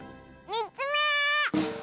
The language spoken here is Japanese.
３つめ！